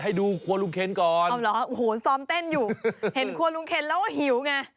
ให้ดูครัวลุงเคนก่อนเอาเหรอโอ้โหซ้อมเต้นอยู่เห็นครัวลุงเคนแล้วก็หิวไง